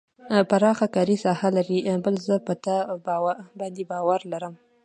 پراخه کاري ساحه لري بل زه په تا باندې باور لرم.